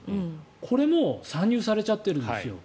これも算入されちゃってるんですよ。